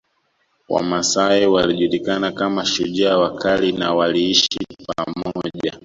Wamasai walijulikana kama shujaa wakali na waliishi pamoja